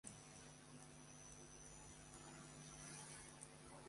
তিনি তার এই গ্রন্থকে আকলের মাধ্যমে শুরু করেন।